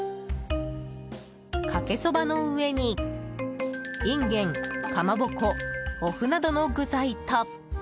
かけそばの上にインゲンかまぼこ、お麩などの具材と。